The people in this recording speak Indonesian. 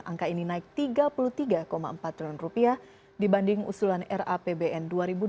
angka ini naik rp tiga puluh tiga empat triliun dibanding usulan rapbn dua ribu dua puluh